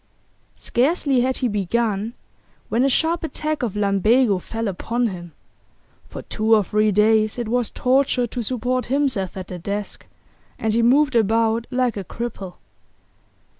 Scarcely had he begun when a sharp attack of lumbago fell upon him; for two or three days it was torture to support himself at the desk, and he moved about like a cripple.